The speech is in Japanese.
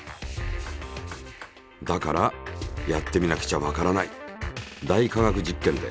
だからやってみなくちゃわからない「大科学実験」で。